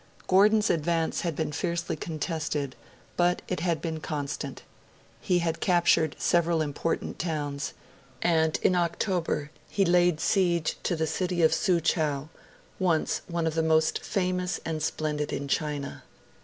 Gordon's advance had been fiercely contested, but it had been constant; he had captured several important towns; and in October he laid siege to the city of Soo chow, once one of the most famous and splendid in China.